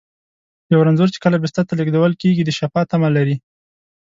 یو رنځور چې کله بستر ته لېږدول کېږي، د شفا تمه لري.